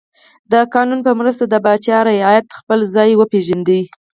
د قانون په مرسته د پاچا رعیت خپل ځای وپیژند.